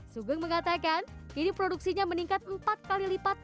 sugeng mengatakan kini produksinya meningkat empat kali lipat